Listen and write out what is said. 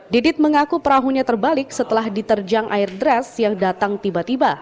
didit mengaku perahunya terbalik setelah diterjang air deras yang datang tiba tiba